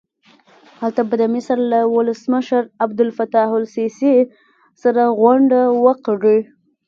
هلته به د مصر له ولسمشر عبدالفتاح السیسي سره غونډه وکړي.